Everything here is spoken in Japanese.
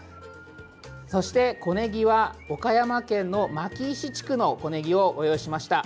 そして、小ねぎは岡山県の牧石地区の小ねぎをご用意しました。